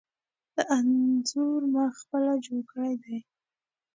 دا انځور ما پخپله جوړ کړی دی.